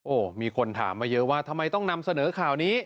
โอ้โหมีคนถามมาเยอะว่าทำไมต้องนำเสนอข่าวนี้